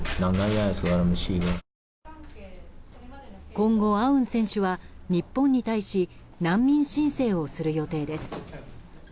今後、アウン選手は日本に対し難民申請をする予定です。